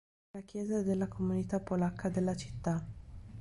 È la chiesa della comunità polacca della città.